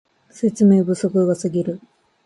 説明不足がすぎる